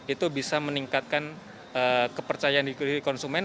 itu bisa meningkatkan kepercayaan di kiri konsumen